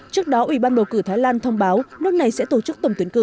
trước đó ủy ban bầu cử thái lan thông báo nước này sẽ tổ chức tổng tuyển cử